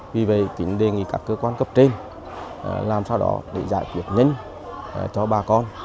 vì vậy chính đề nghị các cơ quan cấp trên làm sao đó để giải quyết nhanh cho bà con